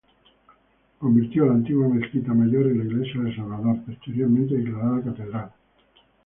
Convirtió la antigua mezquita mayor en la Iglesia del Salvador, posteriormente declarada Catedral.